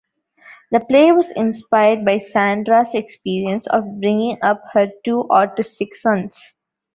The play was inspired by Sandra's experience of bringing up her two autistic sons.